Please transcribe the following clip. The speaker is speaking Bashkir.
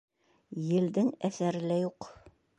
Елдең әҫәре лә юҡ.